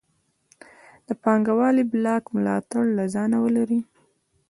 د پانګوالۍ بلاک ملاتړ له ځانه ولري.